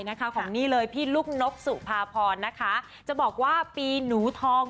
ของนี่เลยพี่ลูกนกสุภาพรนะคะจะบอกว่าปีหนูทอง